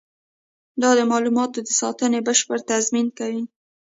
دا د معلوماتو د ساتنې بشپړ تضمین نه کوي.